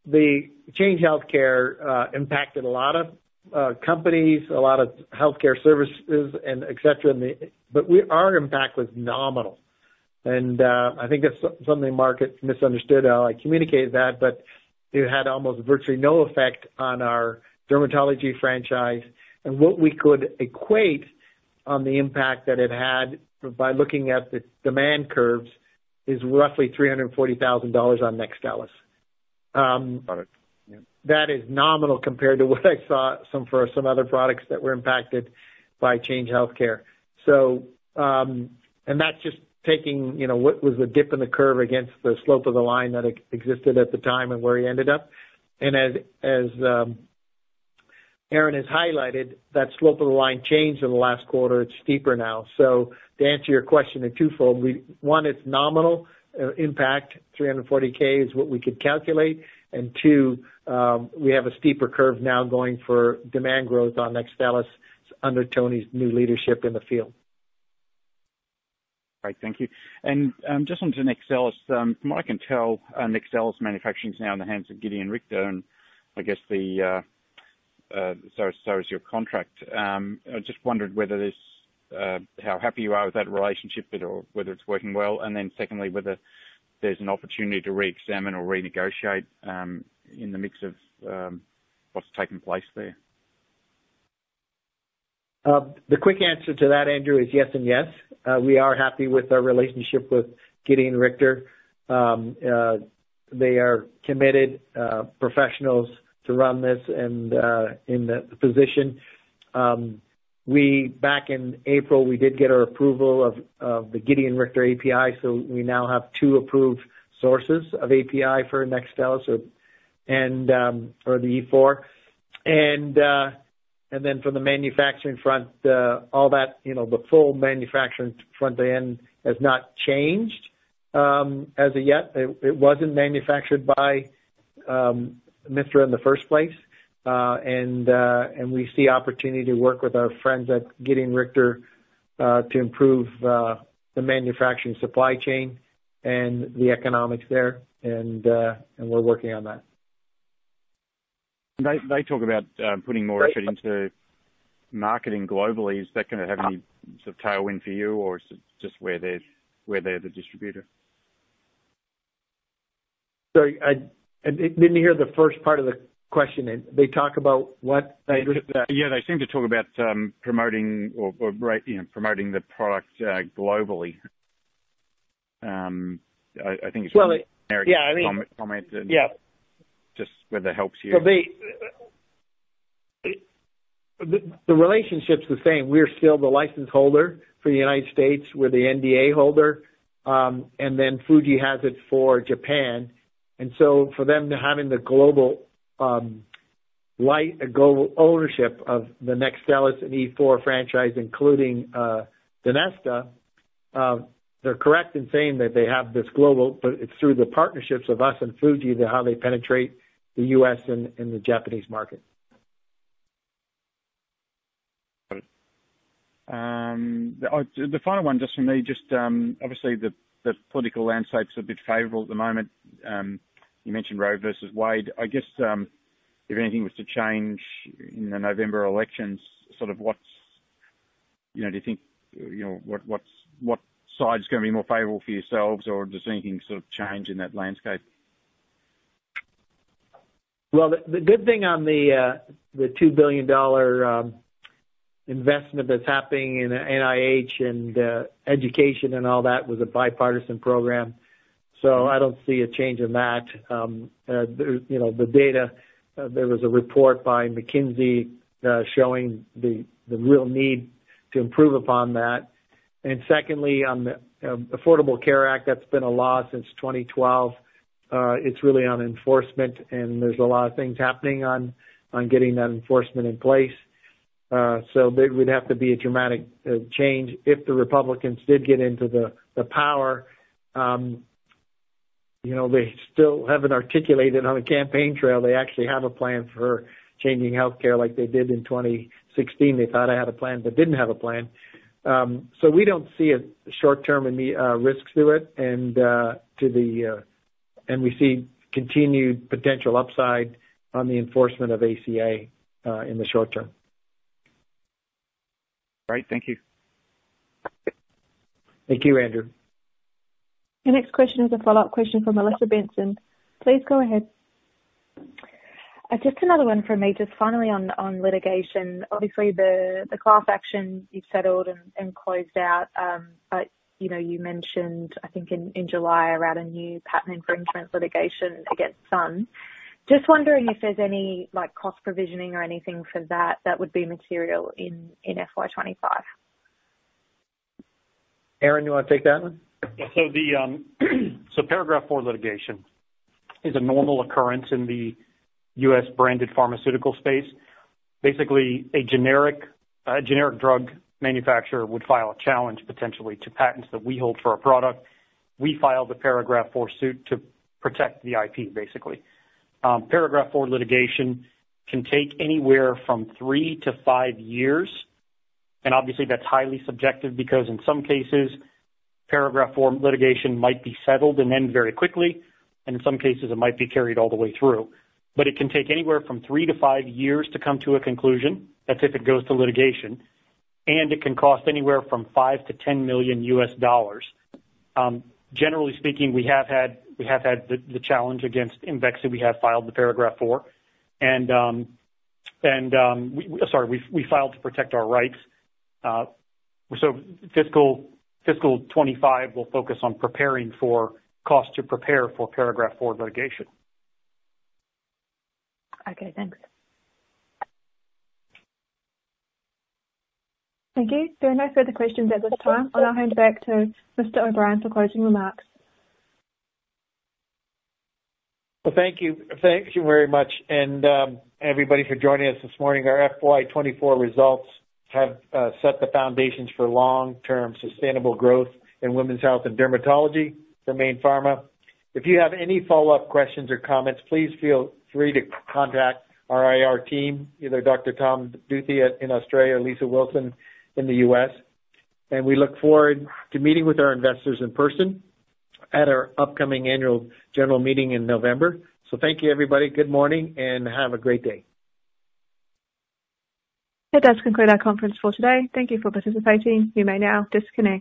The Change Healthcare impacted a lot of companies, a lot of healthcare services and et cetera, in the but our impact was nominal, and I think that's something the market misunderstood how I communicated that, but it had almost virtually no effect on our dermatology franchise. And what we could equate on the impact that it had by looking at the demand cycles, is roughly $340,000 on Nexstellis. Got it. That is nominal compared to what I saw for some other products that were impacted by Change Healthcare. So, and that's just taking, you know, what was the dip in the curve against the slope of the line that existed at the time and where he ended up. And as Aaron has highlighted, that slope of the line changed in the last quarter, it's steeper now. So to answer your question twofold, we: one, it's nominal impact, $340K is what we could calculate. And two, we have a steeper curve now going for demand growth on Nexstellis under Tony's new leadership in the field. Great, thank you. And, just onto Nexstellis. From what I can tell, Nexstellis manufacturing is now in the hands of Gedeon Richter, and I guess the, so is your contract. I just wondered whether this, how happy you are with that relationship or whether it's working well? And then secondly, whether there's an opportunity to reexamine or renegotiate, in the midst of, what's taking place there. The quick answer to that, Andrew, is yes and yes. We are happy with our relationship with Gedeon Richter. They are committed professionals to run this, and in the position. We back in April, we did get our approval of the Gedeon Richter API, so we now have two approved sources of API for Nextstellis, so, and or the E4. Then from the manufacturing front, all that, you know, the full manufacturing front end has not changed as of yet. It wasn't manufactured by Mithra in the first place. And we see opportunity to work with our friends at Gedeon Richter to improve the manufacturing supply chain and the economics there, and we're working on that. They talk about putting more effort into marketing globally. Is that gonna have any sort of tailwind for you, or is it just where they're the distributor? Sorry, I didn't hear the first part of the question. They talk about what? I missed that. Yeah, they seem to talk about promoting or you know promoting the product globally. I think it's- Well, yeah, I mean Comment. Yeah. Just whether it helps you. So the relationship's the same. We're still the license holder for the United States. We're the NDA holder. And then Fuji has it for Japan, and so for them, having the global rights and global ownership of the Nextstellis and E4 franchise, including Donesta, they're correct in saying that they have this global, but it's through the partnerships of us and Fuji, that's how they penetrate the US and the Japanese market. The final one, just from me, just obviously, the political landscape's a bit favorable at the moment. You mentioned Roe versus Wade. I guess, if anything was to change in the November elections, sort of what's, you know, do you think, you know, what side is gonna be more favorable for yourselves or do you see anything sort of change in that landscape? The good thing on the $2 billion investment that's happening in NIH and education and all that was a bipartisan program, so I don't see a change in that. You know, the data, there was a report by McKinsey showing the real need to improve upon that. Secondly, on the Affordable Care Act, that's been a law since 2012. It's really on enforcement, and there's a lot of things happening on getting that enforcement in place. There would have to be a dramatic change if the Republicans did get into the power. You know, they still haven't articulated on the campaign trail, they actually have a plan for changing healthcare like they did in 2016. They thought they had a plan, but didn't have a plan. So we don't see a short-term immediate risk to it and to the. And we see continued potential upside on the enforcement of ACA in the short term. Great. Thank you. Thank you, Andrew. The next question is a follow-up question from Melissa Benson. Please go ahead. Just another one for me, just finally on litigation. Obviously, the class action you've settled and closed out, but you know, you mentioned, I think in July, around a new patent infringement litigation against Sun. Just wondering if there's any, like, cost provisioning or anything for that that would be material in FY 2025. Aaron, you wanna take that one? Paragraph IV litigation is a normal occurrence in the U.S. branded pharmaceutical space. Basically, a generic drug manufacturer would file a challenge potentially to patents that we hold for our product. We filed a Paragraph IV suit to protect the IP, basically. Paragraph IV litigation can take anywhere from three to five years, and obviously that's highly subjective because, in some cases, Paragraph IV litigation might be settled and end very quickly, and in some cases it might be carried all the way through. But it can take anywhere from three to five years to come to a conclusion, that's if it goes to litigation, and it can cost anywhere from 5-10 million US dollars. Generally speaking, we have had the challenge against Imvexxy. We have filed the Paragraph IV and we, Sorry, we filed to protect our rights. So fiscal 2025 will focus on preparing for cost to prepare for Paragraph IV litigation. Okay, thanks. Thank you. There are no further questions at this time. I'll hand back to Mr. O’Brien for closing remarks. Thank you. Thank you very much, and everybody for joining us this morning. Our FY 2024 results have set the foundations for long-term sustainable growth in women's health and dermatology for Mayne Pharma. If you have any follow-up questions or comments, please feel free to contact our IR team, either Dr. Tom Duthie in Australia or Lisa Wilson in the US. We look forward to meeting with our investors in person at our upcoming annual general meeting in November. Thank you, everybody. Good morning, and have a great day. That does conclude our conference for today. Thank you for participating. You may now disconnect.